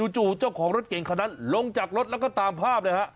จู่เจ้าของรถเก่งคนนั้นลงจากรถแล้วก็ตามภาพเลยฮะ